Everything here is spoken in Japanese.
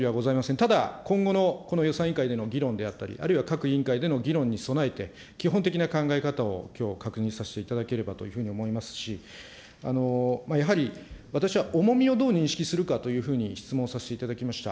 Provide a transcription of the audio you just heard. ただ、今後のこの予算委員会での議論であったり、あるいは各委員会での議論に備えて、基本的な考え方をきょう、確認させていただければというふうに思いますし、やはり私は重みをどう認識するかというふうに質問させていただきました。